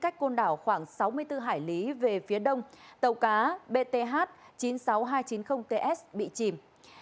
cách côn đảo khoảng sáu mươi bốn hải lý về phía đông tàu cá bth chín mươi sáu nghìn hai trăm chín mươi ts bị chìm